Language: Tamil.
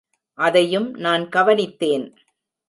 அதையும் நான் கவனித்தேன்.